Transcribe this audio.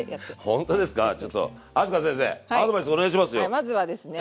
はいまずはですね